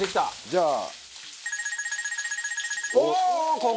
じゃあ。